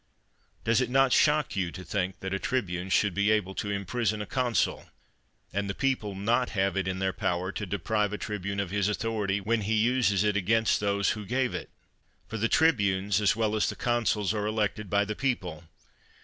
Does it not shock you to think that a tribune should be able to imprison a constQ, and the people not have it in their power to deprive a tribune of his authority, when he uses it against those who gave it? For the tribunes, as well as the consuls, are elected by the people.